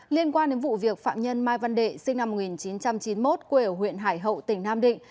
liên quan đến vụ việc phạm nhân mai văn đệ sinh năm một nghìn chín trăm chín mươi một quê ở huyện hải hậu tỉnh nam định